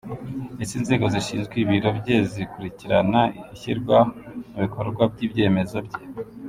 Ese inzego zishinzwe Ibiro bye zikurikirana ishyirwa mu bikorwa by’ibyemezo bye ?.